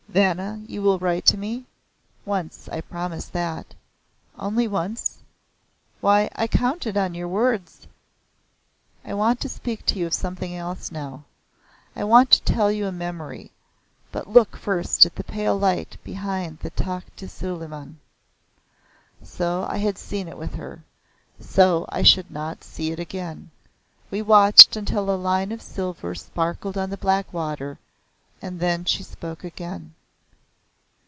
Vanna you will write to me?" "Once. I promise that." "Only once? Why? I counted on your words." "I want to speak to you of something else now. I want to tell you a memory. But look first at the pale light behind the Takht i Suliman." So I had seen it with her. So I should not see it again. We watched until a line of silver sparkled on the black water, and then she spoke again.